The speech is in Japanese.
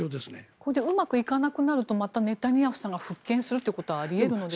これでうまくいかなくなるとまたネタニヤフさんが復権するということはあり得るのでしょうか？